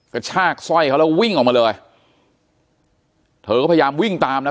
กระชากสร้อยเขาแล้ววิ่งออกมาเลยเธอก็พยายามวิ่งตามนะ